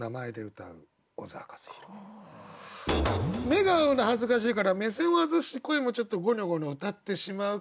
目が合うの恥ずかしいから目線を外して声もちょっとゴニョゴニョ歌ってしまう。